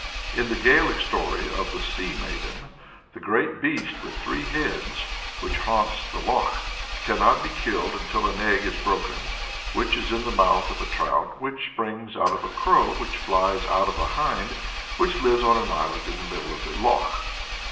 In the Gaelic story of "The Sea Maiden," the "great beast with three heads" which haunts the loch cannot be killed until an egg is broken, which is in the mouth of a trout, which springs out of a crow, which flies out of a hind, which lives on an island in the middle of the loch.